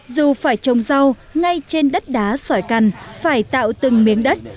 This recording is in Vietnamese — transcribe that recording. dù phải trồng rau ngay trên đất đá sỏi cằn phải tạo từng miếng đất